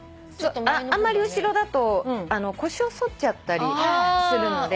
あんまり後ろだと腰を反っちゃったりするので。